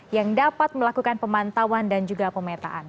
yang dapat melakukan pemantauan dan juga pemetaan